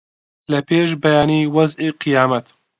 لە پێش بەیانی وەزعی قیامەت